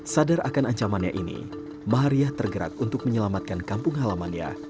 sadar akan ancamannya ini mahariah tergerak untuk menyelamatkan kampung halamannya